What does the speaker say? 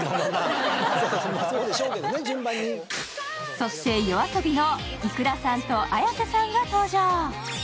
そしてＹＯＡＳＯＢＩのｉｋｕｒａさんとＡｙａｓｅさんが登場。